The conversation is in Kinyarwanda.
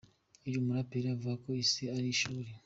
Uyu muraperi avuga ko Isi ari ishuri.